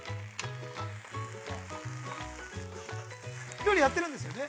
◆料理やってるんですよね？